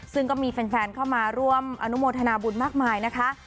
ซึ่งก็มีแฟนเข้ามาร่วมอนุโมทนาบุญมากมายนะคะ